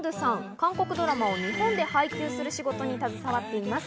韓国ドラマを日本で配給する仕事に携わっています。